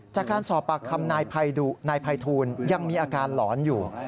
จากการสอบปากคำนายภัยทูลยังมีอาการหลอนอยู่